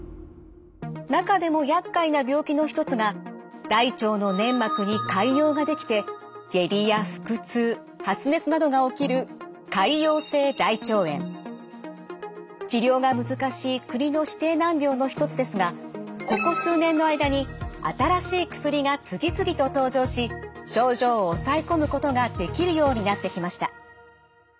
中でもやっかいな病気の一つが大腸の粘膜に潰瘍ができて下痢や腹痛発熱などが起きる治療が難しい国の指定難病の一つですがここ数年の間に新しい薬が次々と登場し症状を抑え込むことができるようになってきました。